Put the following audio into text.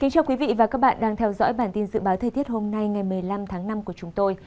chào các bạn đã theo dõi bản tin dự báo thời tiết hôm nay ngày một mươi năm tháng năm của chúng tôi